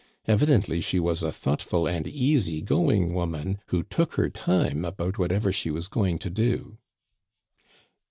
Evi dently she was a thoughtful and easy going woman, who took her time about whatever she was going to do."